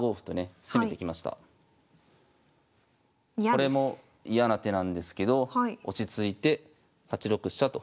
これも嫌な手なんですけど落ち着いて８六飛車と受けます。